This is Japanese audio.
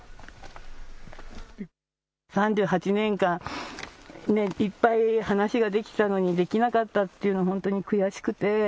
３８年間、いっぱい話ができたのにできなかったのが悔しくて。